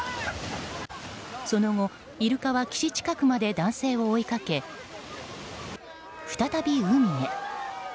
その後、イルカは岸近くまで男性を追いかけ再び海へ。